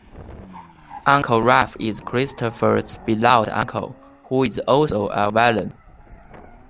Uncle Ralph is Christopher's beloved uncle, who is also a villain.